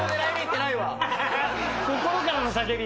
心からの叫び。